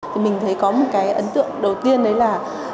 thì mình thấy có một cái ấn tượng đầu tiên đấy là